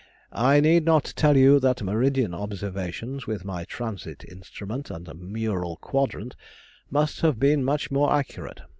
I need not tell you that meridian observations with my transit instrument and mural quadrant must have been much more accurate.